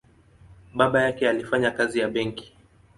Babake alifanya kazi ya benki.